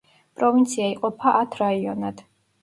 პროვინცია იყოფა ათ რაიონად.